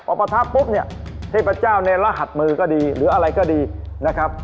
พอประทับปุ๊บเนี่ยเทพเจ้าในรหัสมือก็ดีหรืออะไรก็ดีนะครับ